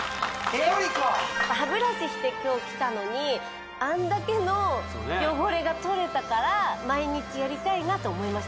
１人か歯ブラシして今日来たのにあんだけの汚れがとれたからそうねと思いました